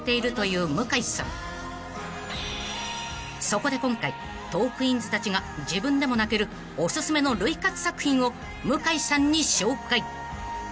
［そこで今回トークィーンズたちが自分でも泣けるおすすめの涙活作品を向井さんに紹介］